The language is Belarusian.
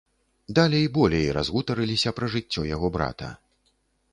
Далей, болей разгутарыліся пра жыццё яго брата.